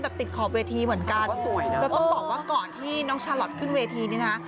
ติดขอบเวทีเหมือนกันสวยนะก็ต้องบอกว่าก่อนที่น้องชาลอทขึ้นเวทีนี้นะ